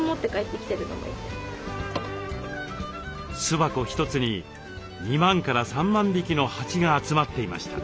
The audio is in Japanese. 巣箱一つに２万から３万匹の蜂が集まっていました。